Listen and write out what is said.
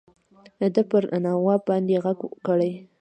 ده پر نواب باندي ږغ کړی.